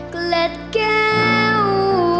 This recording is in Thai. เกล็ดแก้ว